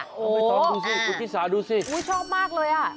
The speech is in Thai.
อุ๊ยต้องดูสิอุ๊ยกิษาดูสิอุ๊ยชอบมากเลยอ่ะ